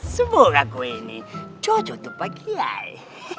semoga kue ini cocok tuh pak giai